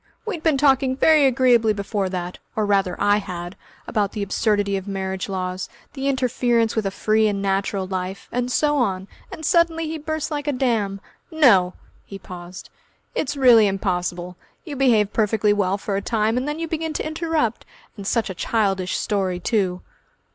We'd been talking very agreeably before that, or rather I had, about the absurdity of marriage laws, the interference with a free and natural life, and so on, and suddenly he burst like a dam. No!" He paused. "It's really impossible. You behave perfectly well for a time, and then you begin to interrupt.... And such a childish story, too!"